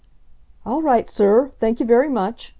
"All right, sir. Thank you very much.